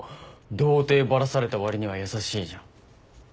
童貞バラされたわりには優しいじゃん。